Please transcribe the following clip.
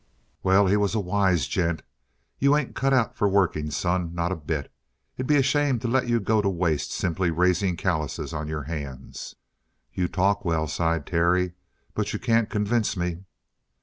"Well, he was a wise gent. You ain't cut out for working, son. Not a bit. It'd be a shame to let you go to waste simply raising calluses on your hands." "You talk well," sighed Terry, "but you can't convince me."